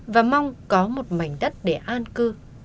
và mong có một mảnh đất để an cư